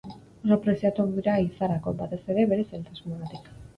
Oso preziatuak dira ehizarako, batez ere bere zailtasunagatik.